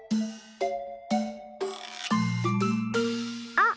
あっ！